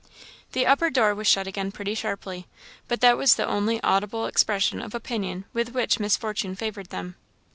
The upper door was shut again pretty sharply, but that was the only audible expression of opinion with which Miss Fortune favoured them.